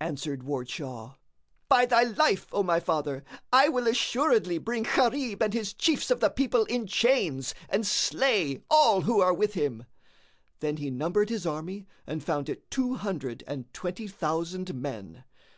Answered Ward Shah, "By thy life, O my father, I will assuredly bring Gharib and his chiefs of the people in chains and slay all who are with him." Then he numbered his army and found it two hundred and twenty thousand men.